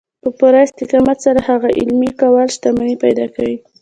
په پوره استقامت سره د هغو عملي کول شتمني پيدا کوي.